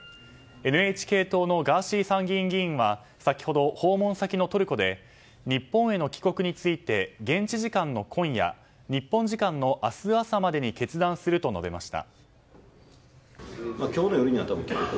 ＮＨＫ党のガーシー参議院議員は先ほど、訪問先のトルコで日本への帰国について現地時間の今夜日本時間の明日朝までに決断すると述べました。